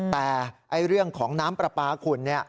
แต่เรื่องของน้ำปลาปลาขุ่น